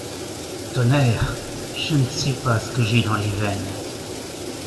Tonnerre ! je ne sais pas ce que j'ai dans les veines.